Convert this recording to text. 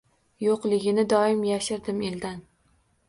Yo’qligingni doim yashirdim eldan.